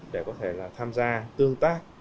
để có thể là tham gia tương tác